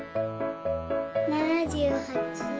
７８。